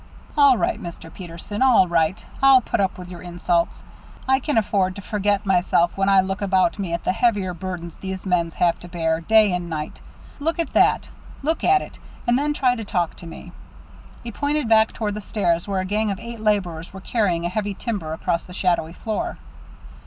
"All right, Mister Peterson all right. I'll put up with your insults. I can afford to forget myself when I look about me at the heavier burdens these men have to bear, day and night. Look at that look at it, and then try to talk to me." He pointed back toward the stairs where a gang of eight laborers were carrying a heavy timber across the shadowy floor.